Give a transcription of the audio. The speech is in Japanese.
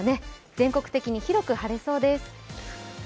全国的に広く晴れそうです。